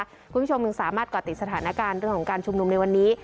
คุณผู้ชมยังสามารถก่อติดสถานการณ์เรื่องของการชุมนุมในวันนี้